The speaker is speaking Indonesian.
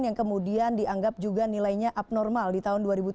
yang kemudian dianggap juga nilainya abnormal di tahun dua ribu tujuh belas